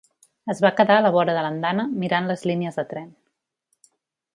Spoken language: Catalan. Es va quedar a la vora de l'andana, mirant les línies de tren.